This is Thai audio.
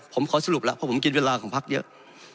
ผมขอสรุปแล้วเพราะผมกินเวลาของพักเยอะ